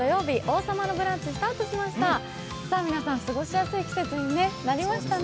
「王様のブランチ」スタートしました。